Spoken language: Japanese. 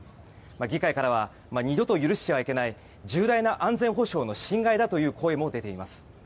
議会からは二度と許してはいけない重大な安全保障の侵害だという声も出ています。